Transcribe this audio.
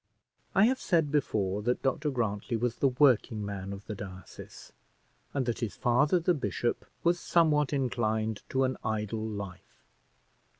I have said before that Dr Grantly was the working man of the diocese, and that his father the bishop was somewhat inclined to an idle life.